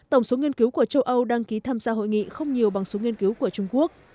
tổng số nghiên cứu của châu âu đăng ký tham gia hội nghị không nhiều bằng số nghiên cứu của trung quốc